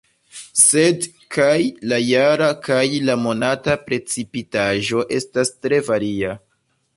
Sed kaj la jara kaj la monata precipitaĵo estas tre varia.